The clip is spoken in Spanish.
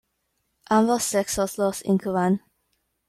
Ambos sexos los incuban.